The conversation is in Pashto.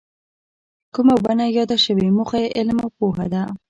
کومه ونه یاده شوې موخه یې علم او پوهه ده.